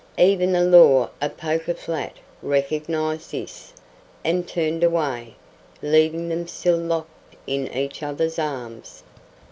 Even the law of Poker Flat recognized this, and turned away, leaving them still locked in each other's arms.